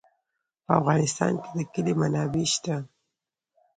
په افغانستان کې د کلي منابع شته.